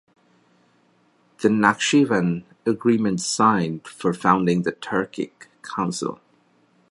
The Nakhchivan Agreement signed for founding the Turkic Council.